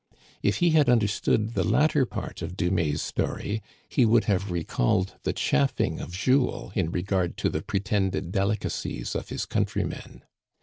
If he had understood the latter part of Du mais's story, he would have recalled the chaffing of Jules in regard to the pretended delicacies of his coun trymen.